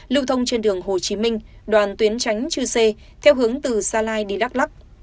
lưu thông trên đường hồ chí minh đoàn tuyến tránh chư sê theo hướng từ gia lai đi đắk lắc